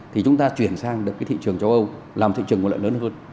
thì chúng ta chuyển sang được thị trường châu âu làm thị trường nguồn lợi lớn hơn